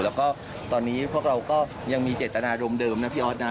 แล้วก็ตอนนี้พวกเราก็ยังมีเจตนารมณเดิมนะพี่ออสนะ